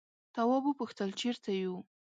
تواب وپوښتل چیرته یو.